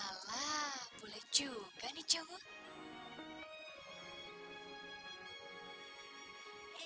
olalah boleh juga nih cowok